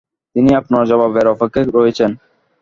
তিনি আপনার জবাবের অপেক্ষায় রয়েছেন।